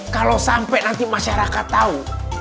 kalo sampe nanti masyarakat tau